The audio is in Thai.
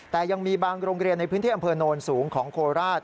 แต่ยังมีบางโรงเรียนในพื้นที่อำเภอโนนสูงของโคราช